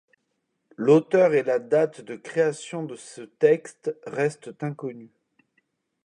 L’auteur et la date de création de ce texte restent inconnus.